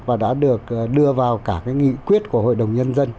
và đã được đưa vào cả cái nghị quyết của hội đồng nhân dân